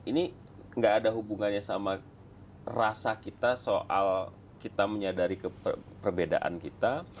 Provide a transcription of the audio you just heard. ini gak ada hubungannya sama rasa kita soal kita menyadari perbedaan kita